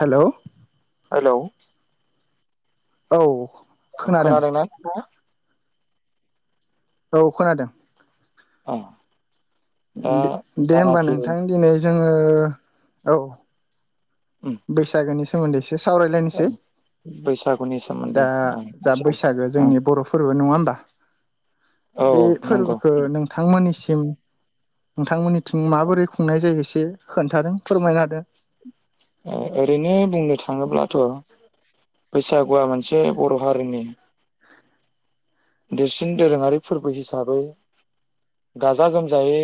Hello hello औ अ खोनादों खोनादोंना [inaudible] औ खोनादों औ दे दे होमबा नोंथां दिनै जोङो औ उम बैसागोनि सोमोन्दै एसे ओं सावरायलायनोसै बैसागुनि दा सोमोन्दै ओं जा बैसागो ओं जोंनि बर'फोरबो नङा होमबा? औ बे नंगौ फोरबोखौ नोंथांमोननिसिम नोंथांमोननि थिं माबोरै खुंनाय जायो एसे खोन्थादों फोरमायनो होदों ओरैनो बुंनो थाङोब्लाथ' बैसागुआ मोनसे बर' हारिनि देरसिन दोरोङारि फोरबो हिसाबै गाजा गोमजायै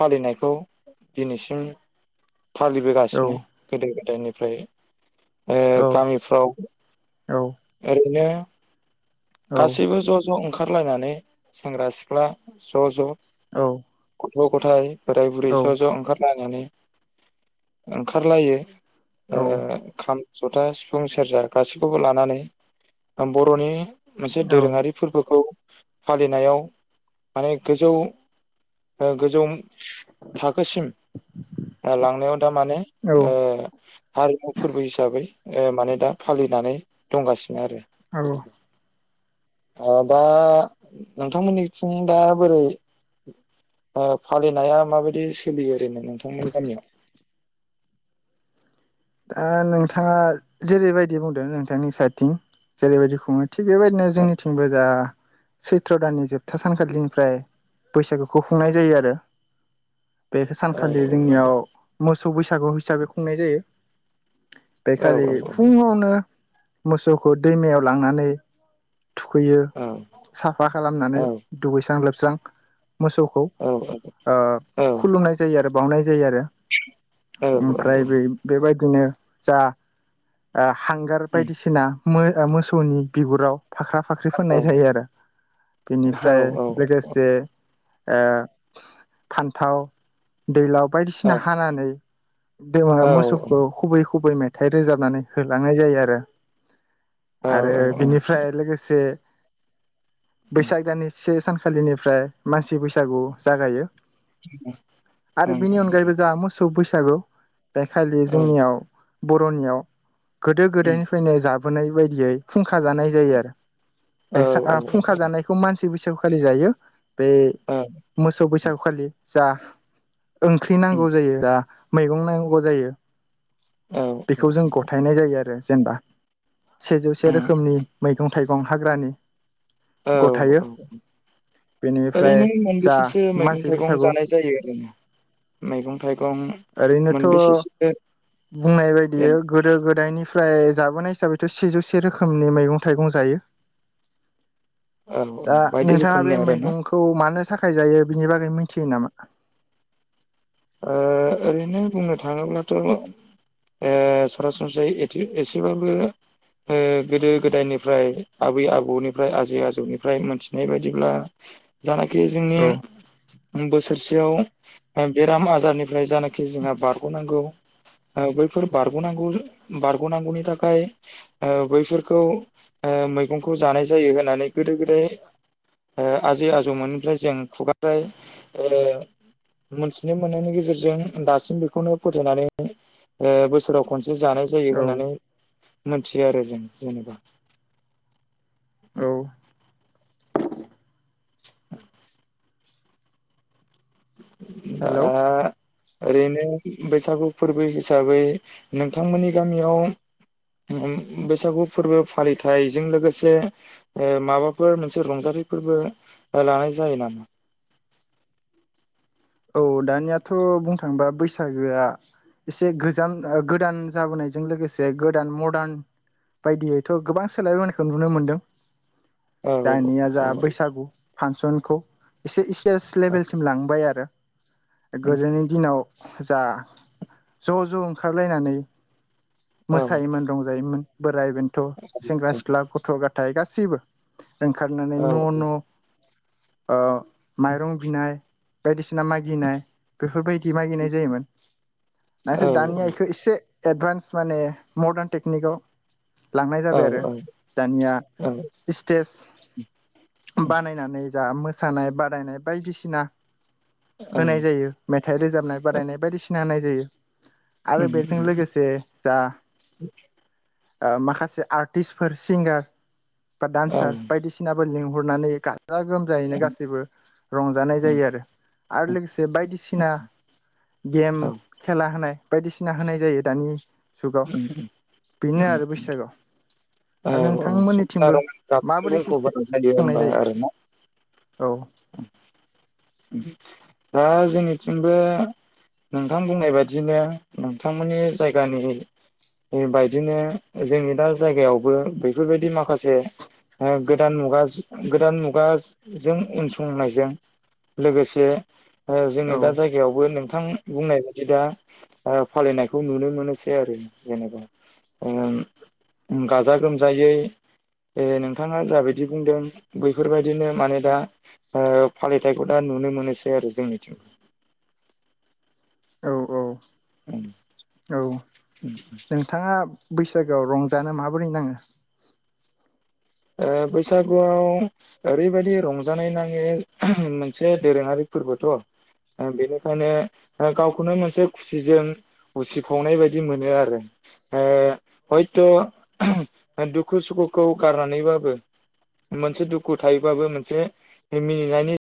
फालिनायखौ दिनैसिम औ फालिबोगासिनो गोदो गोदायनिफ्राय ओ गामिफ्राव औ ओरैनो औ गासैबो ज' ज' ओंखारलायनानै सेंग्रा सिख्ला ज' ज' औ गथ' गथाय बोराय बुरै ज' ज' औ ओंखारलायनानै ओंखारलायो। ओ खाम जथा सिफुं सेरजा गासैखौबो लानानै बर'नि मोनसे दोरोङारि औ फोरबोखौ फालिनायाव माने गोजौ ओ गोजौ थाखोसिम लांनायाव दा माने ओ हारिमु फोरबो हिसाबै ओ माने दा फालिनानै दंगासिनो आरो औ ओ दा नोंथांमोननिथिं दा बोरै ओ फालिनाया माबायदि सोलियो ओरैनो नोंथांमोननि गामियाव? दा नोंथाङा जेरैबायदि बुंदों नोंथांनि साइथिं जेरैबायदि खुङो थिग बेबायदिनो औ जोंनिथिंबो जा सैत्र' दाननि जोबथा सानखालिनिफ्राय बैसागुखौ खुंनाय जायो आरो। बे औ सानखालि जोंनियाव मोसौ बैसागु हिसाबै खुंनाय जायो। बेखालि औ फुङावनो मोसौखौ दैमायाव लांनानै थुखैयो औ साफा औ खालामनानै दुगैस्रां लोबस्रां। मोसौखौ औ ओ खुलुमनाय जायो आरो बावनाय जायो आरो। ओमफ्राय बे बेबायदि दिनो जा आ हांगार बायदिसिना मोसौनि बिगुराव फाख्रा फाख्रि फोननाय जायो आरो बेनिफ्राय लोगोसे ओ फान्थाव दैलाव बायदिसिना औ हानानै दैमा मोसौ गुबै गुबै मेथाइ रोजाबनानै होलांनाय जायो आरो। आरो बिनिफ्राय लोगोसे बैसागोनि से सानखालिनिफ्राय मानसि बैसागु जागायो। आरो बेनि अनगायैबो जों मोसौ बैसागु बे खालि जोंनियाव बर'नियाव गोदो गोदायनिफ्रायनो जाबोनाय बायदियै फुंखा। फुंखा जानाय जायो आरो बेसाद फुंखा जानायखौ मानसि बैसागुखालि जायो। बे मोसौ बैसागुखालि जा ओंख्रि नांगौ जायो दा मैगं नांगौ जायो। औ बेखौ जों गथायनाय जायो आरो जेनेबा। सेजौसे औ रोखोमनि मैगं थाइगं हाग्रानि औ गथायो औ औ। बेनिफ्राय ओरैनो जा मोनबेसेसो मैगं मानसि थाइगं बैसागु जानाय जायो आरोना मैगं थाइगं। ओरैनोथ' मोनबेसेसो बुंनाय बायदि जेन गोदो गोदायनि फ्राय जाबोनाय हिसाबैथ' सेजौसे रोखोमनि मैगं थाइगं जायो। औ दा बायदि नोंथाङा रोखोमनि बे आरोना मैगंखौ मानो था खाय जायो बिनि बागै मिथियो नामा? ओ ओरैनो बुंनो थाङोब्लाथ' ओ सरासनस्रायै एथे एसेबाबो ओ गोदो गोदायनिफ्राय आबै बै आबौनिफ्राय आजै आजौनिफ्राय मोनथिनाय बायदिब्ला जानाखि जोंनि औ बोसोरसेयाव बेराम आजारनिफ्राय जानाखि जोंहा बारग'नांगौ। बैफोर बारग'नांगौ बारग'नांगौनि थाखाय ओ बैफोरखौ मैगंखौ जानाय जायो होननानै गोदो गोदाय ओ आजै आजौमोननिफ्राय जों खुगानिफाय मोनथिनो मोननायनि गेजेरजों दासिम बेखौनो फोथायनानै ओ बोसोराव खनसे जानाय जायो औ होननानै मोनथियो आरो जों जेनेबा। औ। [inaudible] दा हेलौ ओरैनो बैसागु फोरबो हिसाबै नोंथांमोननि गामियाव ओम बैसागु फोरबो फालिथाइजों लोगोसे माबाफोर मोनसे रंजा -थाय फोरबो लानाय जायो नामा? [inaudible] औ दानियाथ' बुंनो थाङोबा बैसागोआ एसे गोजाम गोदान जाबोनायजों लोगोसे गोदान मदार्न बायदियैथ' गोबां सोलायबोनायखौ नुनो मोनदों। औ दानिया जा औ बैसागु फांसन खौ एसे इस लेबेलसिम लांबाय आरो गोदोनि दिनाव जा ज' ज' ओंखारलायनानै औ मोसायोमोन रंजायोमोन। बोराइ बेन्थ' सेंग्रा सिख्ला गथ' ग'थाय गाससिबो ओंखारनानै न' न' ओ माइरं बिनाय बायदिसिना मागिनाय बेफोरबायदि मागिनाय जायोमोन नाथाय दानि आइखौ एसे एदभान्स माने मर्दार्न टेकनिकआव लांनाय जाबाय आरो औ दानिया स्टेज बानायनानै जा मोसानाय बादायनाय बायदिसिना होनाय जायो मेथाइ रोजाबनाय बादायनाय बायदिसिना होनाय जायो। आरो बेजों लोगोसे जा ओ माखासे आर्टिस्टफोर सिंगार बा दान्सार बायदिसिनाबो लिंहरनानै गा जा गोमजायैनो गासैबो रंजानाय जायो आरो। लोगोसे बायदिसिना गेम खेला होनाय बायदिसिना होनाय जायो दानि जुगाव औ बेनो आरो बैसागआव औ आरो औ समायना नोंथांमोननिथिमबो रमायना गाबजों माबोरै सिस्टे बुंफबोनाय जायो खुंनाय होमबा आरोना जायो। औ। दा जोंनिथिंबो नोंथां बुंनाय बायदिनो नोंथांमोननि जायगानि बायदिनो जोंनि दा जायगायावबो बेफोरबायदि माखासे ओ गोदान मुगा गोदान मुगाजों उनसंनायजों लोगोसे ओ जोंनि औ दा जायगायावबो नोंथां बुंनाय बायदि दा ओ फालिनायखौ नुनो मोनोसै आरो जेनेबा ओ उम गाजा गोमजायै ए नोंथाङा जाबायदि बुंदों बैफोरबायदिनो माने दा ओ फलि थायखौ दा नुनो मोनोसै आरो जोंनिथिं औ औ औ नोंथाङा। बैसागोआव रंजानो माबोरै नाङो ओ बैसागुआव ओरैबायदि रंजानाय नाङै मोनसे दोरोङारि फोरबोथ' ओ बेनिखायनो गावखौनो मोनसे खुसिजों उसिफावनाय बायदि मोनो आरो। ओ हयथ' दुखु सुखुखौ गारनानै बाबो मोनसे दुखु थायोबाबो मोनसे मिनिनायनि